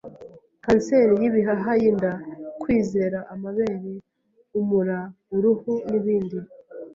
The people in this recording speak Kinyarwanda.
Kanseri yibihaha yinda, kwizera amabere, umura, uruhu, nibindi